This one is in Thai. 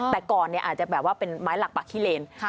แต่ก่อนอาจจะแบบว่าเป็นไม้หลักปักขี้เลน